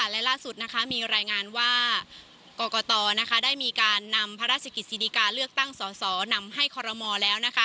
และล่าสุดมีรายงานว่ากรกตได้มีการนำพระราชกิจศิริกาเลือกตั้งสสนำให้คอรมอลแล้ว